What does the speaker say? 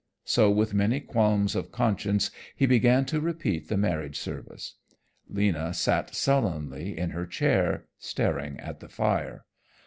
So with many qualms of conscience he began to repeat the marriage service. Lena sat sullenly in her chair, staring at the fire.